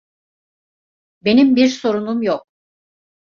Benim bir sorunum yok.